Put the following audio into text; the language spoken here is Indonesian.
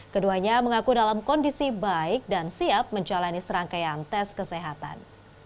keduanya mengaku dalam kondisi baik dan siap menjalani serangkaian tes kesehatan